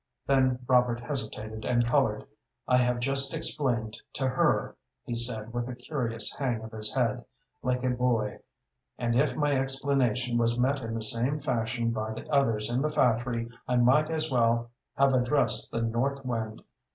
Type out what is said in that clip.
Then Robert hesitated and colored. "I have just explained to her," he said, with a curious hang of his head, like a boy, "and if my explanation was met in the same fashion by the others in the factory I might as well have addressed the north wind.